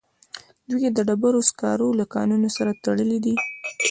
دوی د ډبرو سکارو له کانونو سره تړلي دي